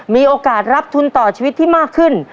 มีโอกาสรับทุนต่อชีวิตที่มากขึ้น